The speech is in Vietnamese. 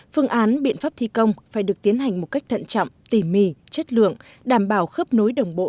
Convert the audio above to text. phương án biện pháp thi công phải được tiến hành một cách thận chậm tỉ mì chất lượng đảm bảo khớp nối đồng bộ